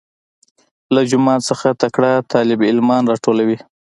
له جوماتو څخه تکړه طالب العلمان راټولوي.